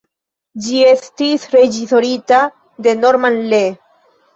Ĝi estis reĝisorita de Norman Lee.